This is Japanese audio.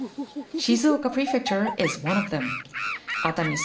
静岡県熱海市。